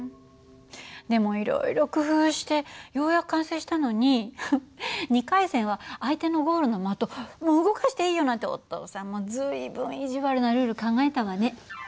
でもいろいろ工夫してようやく完成したのに２回戦は相手のゴールの的動かしていいよなんてお父さんも随分意地悪なルール考えたわね。